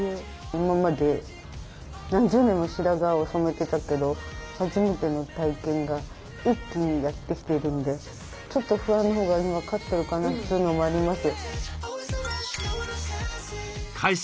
今まで何十年も白髪を染めてたけど初めての体験が一気にやって来ているんでちょっと不安のほうが今は勝ってるかなというのもあります。